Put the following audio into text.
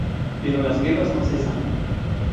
Pero las guerras no cesan.